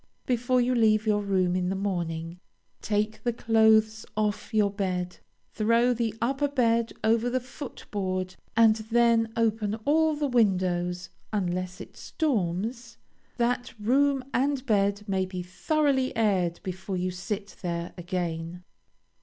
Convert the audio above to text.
Before you leave your room in the morning, take the clothes off your bed, throw the upper bed over the foot board, and then open all the windows (unless it storms), that room and bed may be thoroughly aired before you sit there again.